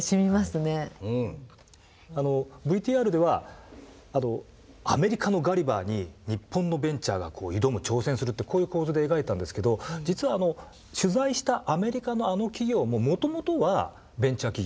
ＶＴＲではアメリカのガリバーに日本のベンチャーが挑む挑戦するってこういう構図で描いたんですけど実は取材したアメリカのあの企業ももともとはベンチャー企業。